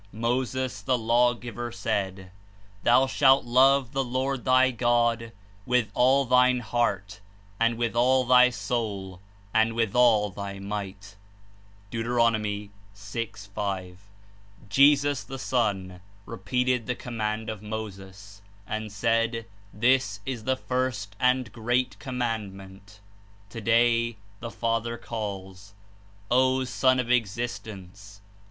Moses, the Law giver, said: '^Thou shalt love the Lord thy God zcith all thine heart, and with all thy soul, and zvith all thy might.'' (Deut. 6.5.) Jesus, the Son, repeated the command of Moses, and said: ^'This is the first and great commandment." Today the Father calls : ''O Son of Existence!